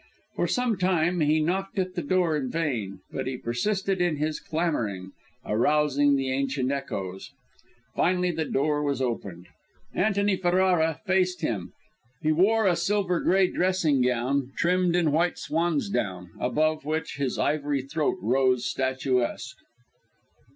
For some time he knocked at the door in vain, but he persisted in his clamouring, arousing the ancient echoes. Finally, the door was opened. Antony Ferrara faced him. He wore a silver grey dressing gown, trimmed with white swansdown, above which his ivory throat rose statuesque.